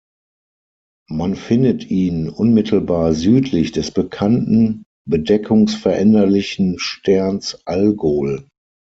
Man findet ihn unmittelbar südlich des bekannten bedeckungsveränderlichen Sterns Algol.